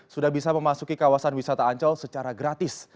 sudah bisa memasuki kawasan wisata ancol secara gratis